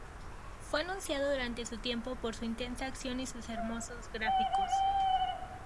Fue anunciado durante su tiempo por su intensa acción y hermosos gráficos.